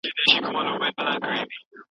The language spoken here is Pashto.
ستا يارانه د شګو ورخ دی